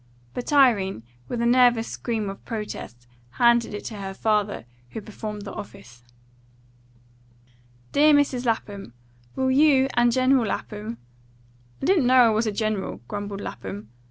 But Irene, with a nervous scream of protest, handed it to her father, who performed the office. "DEAR MRS. LAPHAM: "Will you and General Lapham " "I didn't know I was a general," grumbled Lapham.